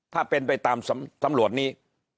ถ้าเป็นไปตามสำรวจนี้